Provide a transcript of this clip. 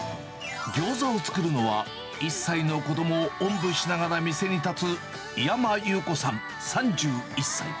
ギョーザを作るのは、１歳の子どもをおんぶしながら店に立つ、岩間裕子さん３１歳。